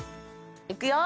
いくよ。